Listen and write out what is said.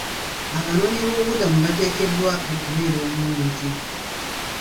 Abanoonyi b'obubuddamu bateekeddwa okubeera obulungi.